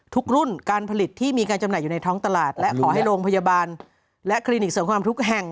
ทุกรุ่นการผลิตที่มีการจำหน่ายอยู่ในท้องตลาดและขอให้โรงพยาบาลและคลินิกเสริมความทุกแห่ง